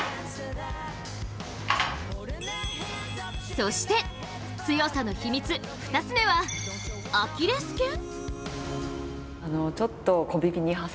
そして、強さの秘密２つ目はアキレスけん！？